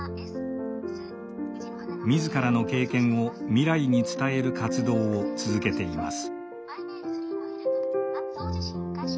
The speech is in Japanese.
自らの経験を未来に伝える活動を続けています。